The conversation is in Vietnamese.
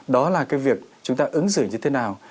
đó là cái việc chúng ta ứng xử như thế nào